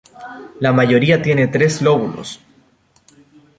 La mayoría tiene tres lóbulos.